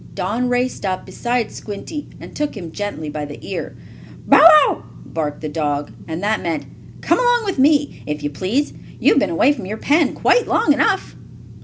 Don raced up beside Squinty, and took him gently by the ear. "Bow wow!" barked the dog, and that meant: "Come along with me, if you please. You have been away from your pen quite long enough."